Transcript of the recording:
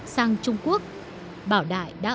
sang trung quốc bảo đại đã